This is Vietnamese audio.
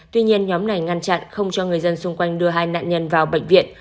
tuy nhiên nhóm này ngăn chặn không cho người dân xung quanh đưa hai nạn nhân vào bệnh viện